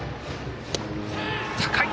高い。